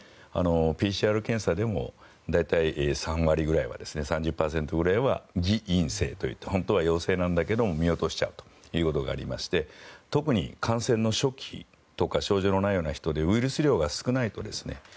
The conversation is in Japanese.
ＰＣＲ検査でも大体３割ぐらいは３０％ぐらいは偽陰性と言って本当は陽性なんだけれども見落としちゃうということがありまして特に感染の初期とか症状のないような人でウイルス量が少ないと。